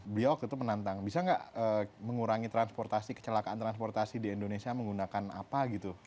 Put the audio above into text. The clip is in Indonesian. beliau waktu itu menantang bisa nggak mengurangi transportasi kecelakaan transportasi di indonesia menggunakan apa gitu